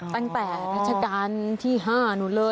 ตั้งแต่รัชกาลที่๕นู้นเลย